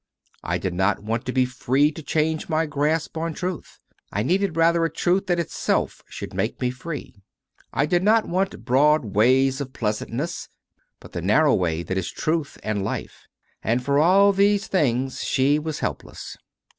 I did not want to be free to change my grasp on truth: I needed rather a truth that itself should make me free. I did not want broad ways of pleasantness, but the narrow Way that is Truth and Life. And for all these things she was helpless.